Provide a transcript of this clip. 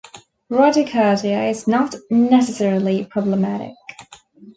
Bradycardia is not necessarily problematic.